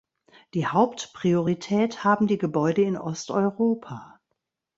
Die Hauptpriorität haben die Gebäude in Osteuropa.